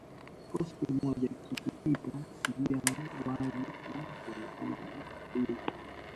Kikosi kimoja kikipita njia ya wazi na kuonekana na adui